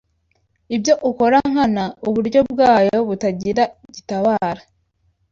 Ibyo ukora nkana uburyo bwayo butagira gitabara